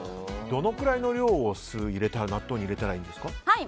どのくらいの量を酢納豆にいれたらいいですか。